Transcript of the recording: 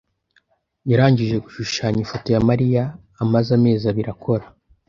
yarangije gushushanya ifoto ya Mariya amaze amezi abiri akora.